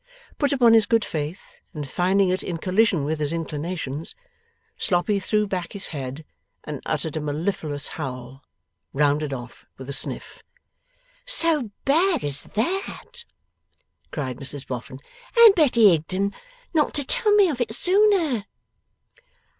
Put upon his good faith, and finding it in collision with his inclinations, Sloppy threw back his head and uttered a mellifluous howl, rounded off with a sniff. 'So bad as that!' cried Mrs Boffin. 'And Betty Higden not to tell me of it sooner!